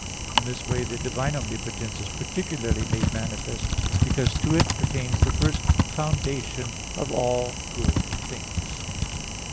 In this way the divine omnipotence is particularly made manifest, because to it pertains the first foundation of all good things.